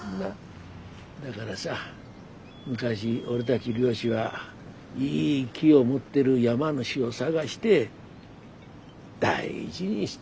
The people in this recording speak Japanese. だがらさ昔俺たち漁師はいい木を持ってる山主を探して大事にして仲よ